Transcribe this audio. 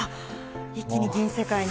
一気に銀世界に。